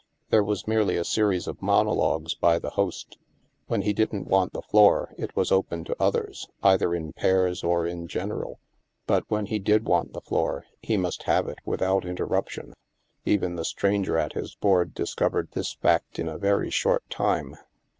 There was merely a series of monologues by the host. When he didn't want the floor, it was open to others, either in pairs or in general; but when he did want the floor, he must have it without in terruption. Even the stranger at his board discov ered this fact in a very short time.